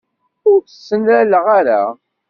Ur tt-ttnaleɣ ara.